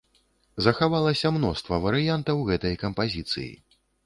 Захавалася мноства варыянтаў гэтай кампазіцыі.